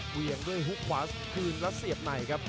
เหวี่ยงด้วยฮุกขวาคืนและเสียบในครับ